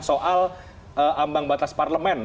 soal ambang batas parlemen